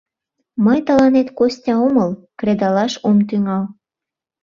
Мый тыланет Костя омыл, кредалаш ом тӱҥал.